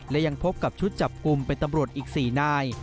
และยังพบกับชุดจับกลุ่มเป็นตำรวจอีก๔นาย